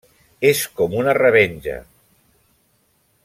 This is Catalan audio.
-És com una revenja…